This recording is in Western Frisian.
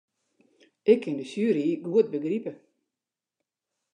Ik kin de sjuery goed begripe.